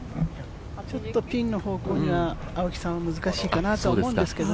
ちょっとピンの方向には青木さんは難しいかなと思うんですけどね。